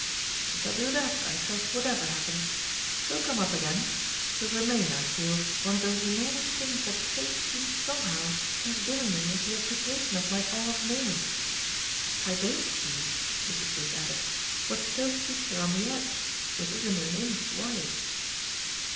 "We shall do that, I trust, whatever happens. She'll come up again she'll remain, I feel, one of those enormous things that fate seems somehow to have given me as the occupation of my odd moments. I don't see," Mrs. Brook added, "what still keeps her on the edge, which isn't an inch wide."